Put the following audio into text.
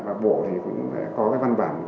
và bộ cũng có văn bản